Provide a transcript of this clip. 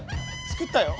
作ったよ。